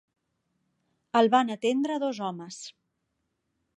El van atendre dos homes.